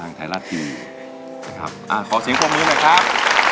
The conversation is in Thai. ทางไทยราชยูนะครับอ่าขอเสียงพร้อมมือหน่อยครับ